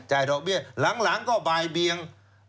ดอกเบี้ยหลังก็บ่ายเบียง